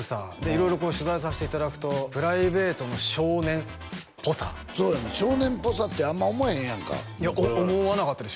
色々取材をさせていただくとプライベートの少年っぽさそうやねん少年っぽさってあんま思えへんやんかいや思わなかったです